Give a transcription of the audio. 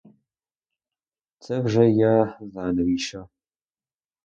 Це вже я знаю навіщо.